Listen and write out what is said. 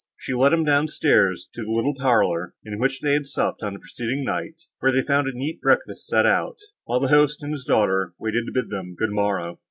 She led him down stairs to the little parlour, in which they had supped on the preceding night, where they found a neat breakfast set out, while the host and his daughter waited to bid them good morrow.